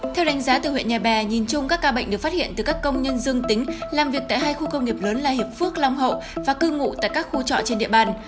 theo đánh giá từ huyện nhà bè nhìn chung các ca bệnh được phát hiện từ các công nhân dương tính làm việc tại hai khu công nghiệp lớn là hiệp phước long hậu và cư ngụ tại các khu trọ trên địa bàn